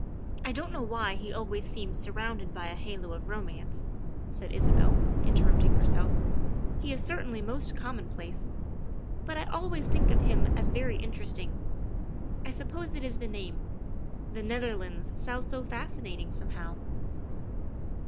I don't know why he always seems surrounded by a halo of romance, '' said Isabel, interrupting herself, " he is certainly most commonplace, but I always think of him as very inter esting. I suppose it is the name the Netherlands sounds so fascinating, somehow.